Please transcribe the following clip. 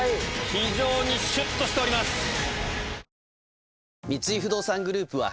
非常にシュっとしております。